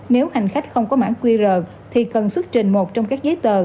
nếu hành khách không có mã qr thì cần xuất trình một trong các giấy tờ